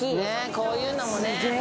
こういうのもね。